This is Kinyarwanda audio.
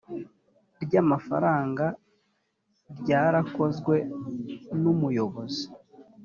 ry amafaranga ryarakozwe n umuyobozi